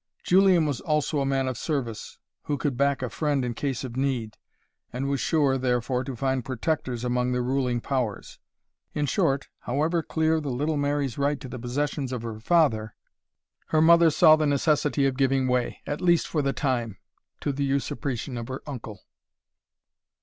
Julian was also a man of service, who could back a friend in case of need, and was sure, therefore, to find protectors among the ruling powers. In short, however clear the little Mary's right to the possessions of her father, her mother saw the necessity of giving way, at least for the time, to the usurpation of her uncle.